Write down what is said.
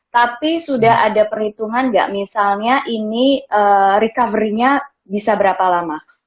tapi sudah ada perhitungan nggak misalnya ini recovery nya bisa berapa lama